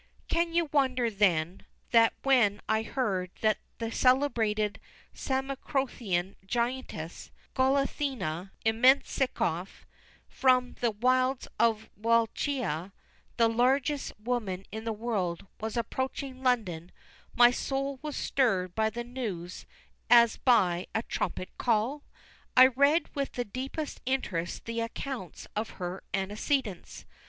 Can you wonder, then, that when I heard that the celebrated Samothracian Giantess, Goliathina Immensikoff, from the wilds of Wallachia, the largest woman in the world, was approaching London, my soul was stirred by the news as by a trumpet call? I read with the deepest interest the accounts of her antecedents.